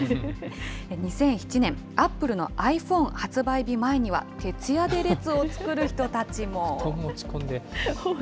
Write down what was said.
２００７年、アップルのｉＰｈｏｎｅ発売日前には徹夜で列を作る人たちも。